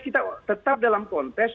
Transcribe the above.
kita tetap dalam kontes